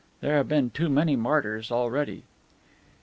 There have been too many martyrs already!"